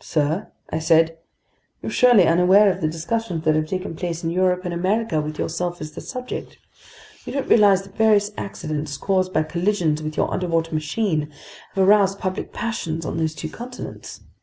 "Sir," I said, "you're surely unaware of the discussions that have taken place in Europe and America with yourself as the subject. You don't realize that various accidents, caused by collisions with your underwater machine, have aroused public passions on those two continents.